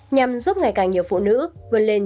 nhằm giúp ngày càng nhiều phụ nữ vươn lên trong cuộc sống